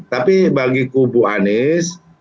tapi bagi kubu anies